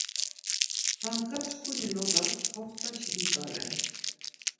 Handğa çkuni noğas xaftaşi ndğa ren.